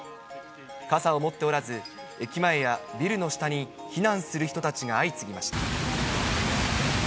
傘を持っておらず、駅前やビルの下に避難する人たちが相次ぎました。